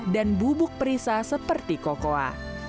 dan bubuk perisa seperti cocoa